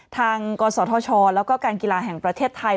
กศธชแล้วก็การกีฬาแห่งประเทศไทย